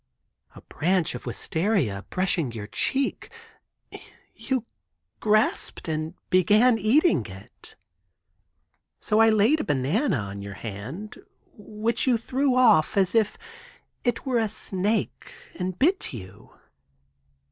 "A branch of wistaria brushing your cheek, you grasped and began eating it. So I laid a banana on your hand, which you threw off as if it were a snake and bit you.